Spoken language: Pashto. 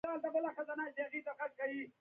په آسمان کې د الوتکو غږ شو او زه وارخطا شوم